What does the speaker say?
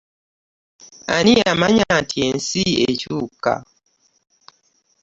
Ani yamanya nti ensi ekyuka.